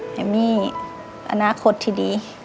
ยังมีอนาคตที่ดี